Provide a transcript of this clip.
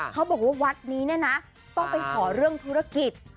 เขาบอกว่าวัดนี้เนี่ยนะต้องไปขอเรื่องธุรกิจ